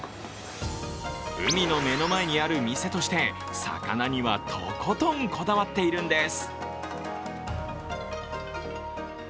海の目の前にある店として魚にはとことんこだわっているんです。